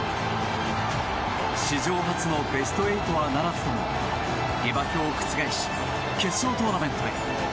史上初のベスト８はならずとも下馬評を覆し決勝トーナメントへ。